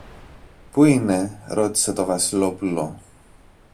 Πού είναι; ρώτησε το Βασιλόπουλο.